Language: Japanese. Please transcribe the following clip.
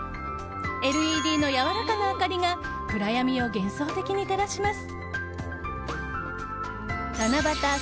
ＬＥＤのやわらかな明かりが暗闇を幻想的に照らします。